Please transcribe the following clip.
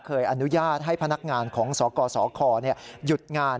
อนุญาตให้พนักงานของสกสคหยุดงาน